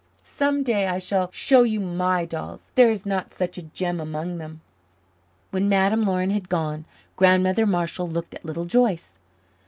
Some day I shall show you my dolls, but there is not such a gem among them." When Madame Laurin had gone, Grandmother Marshall looked at Little Joyce.